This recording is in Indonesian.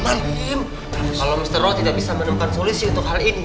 kalau mr roh tidak bisa menemukan solusi untuk hal ini